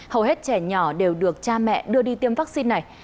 hầu hết trẻ nhỏ đều được cha mẹ đưa đi tiêm vaccine này